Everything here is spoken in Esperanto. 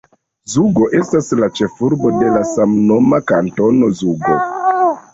Zugo estas la ĉefurbo de la samnoma Kantono Zugo.